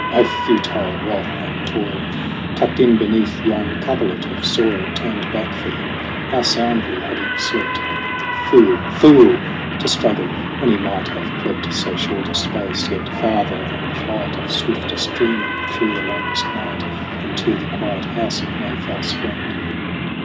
O futile wrath and toil ! Tucked in beneath yon coverlet of soil, Turned back for him, how soundly had he slept ! Fool, fool ! to struggle when he might have crept So short a space, yet farther than the flight Of swiftest dreaming through the longest night, Into the quiet house of no false friend.